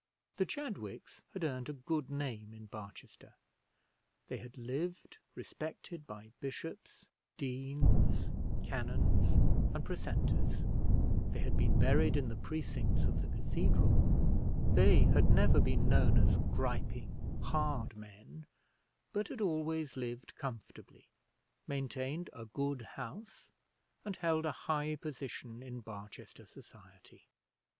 The Chadwicks had earned a good name in Barchester; they had lived respected by bishops, deans, canons, and precentors; they had been buried in the precincts of the cathedral; they had never been known as griping, hard men, but had always lived comfortably, maintained a good house, and held a high position in Barchester society.